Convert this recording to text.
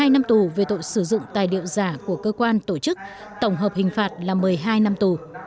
hai năm tù về tội sử dụng tài điệu giả của cơ quan tổ chức tổng hợp hình phạt là một mươi hai năm tù